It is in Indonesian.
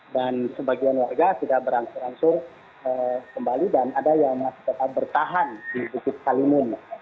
sebagian warga sudah berangsur angsur kembali dan ada yang masih tetap bertahan di bukit kalimun